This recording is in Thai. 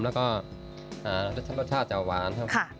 แล้วก็รสชาติจะหวานครับ